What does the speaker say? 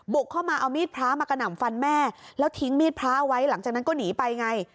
เข้ามาเอามีดพระมากระหน่ำฟันแม่แล้วทิ้งมีดพระเอาไว้หลังจากนั้นก็หนีไปไง